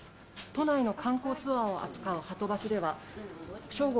都内の観光ツアーを扱うはと